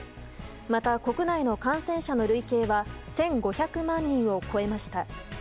また国内の感染者の累計は１５００万人を超えました。